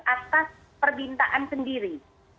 atas permintaan sendiri